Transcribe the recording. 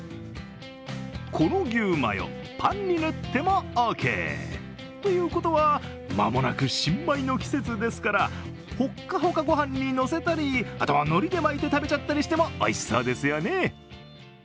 この牛マヨ、パンに塗ってもオーケーということは間もなく新米の季節ですから、ほっかほか御飯にのせたり、あとはのりで巻いて食べちゃったりしてもおいしそうですよね。